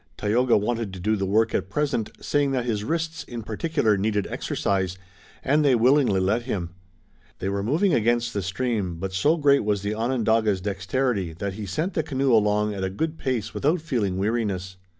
Tayoga wanted to do the work at present, saying that his wrists, in particular, needed exercise, and they willingly let him. They were moving against the stream, but so great was the Onondaga's dexterity that he sent the canoe along at a good pace without feeling weariness.